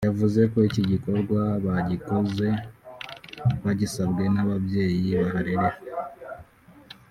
yavuze ko iki gikorwa bagikoze bagisabwe n’ababyeyi baharerera